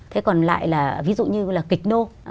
thế còn lại là ví dụ như là kịch nô